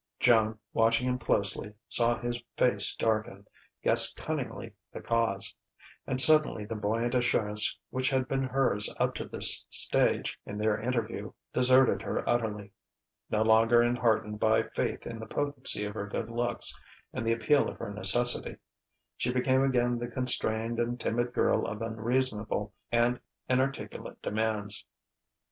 Joan, watching him closely, saw his face darken, guessed cunningly the cause. And suddenly the buoyant assurance which had been hers up to this stage in their interview deserted her utterly. No longer enheartened by faith in the potency of her good looks and the appeal of her necessity, she became again the constrained and timid girl of unreasonable and inarticulate demands.